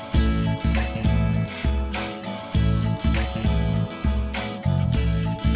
boleh pinjam sepedanya